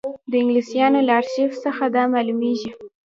د انګلیسیانو له ارشیف څخه دا معلومېږي.